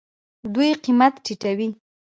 دوی قیمت ټیټوي.